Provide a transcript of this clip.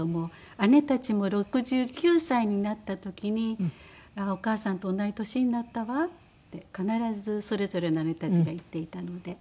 姉たちも６９歳になった時にお母さんと同じ年になったわって必ずそれぞれの姉たちが言っていたので。